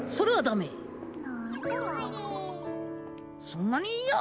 そんなに嫌？